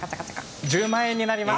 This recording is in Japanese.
１０万円になります。